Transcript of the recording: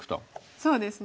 そうですね。